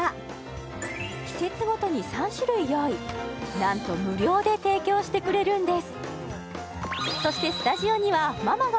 今なんと無料で提供してくれるんです